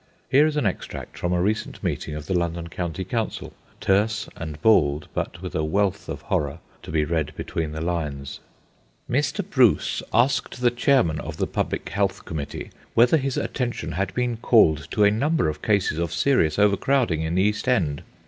Here is an extract from a recent meeting of the London County Council, terse and bald, but with a wealth of horror to be read between the lines:— Mr. Bruce asked the Chairman of the Public Health Committee whether his attention had been called to a number of cases of serious overcrowding in the East End.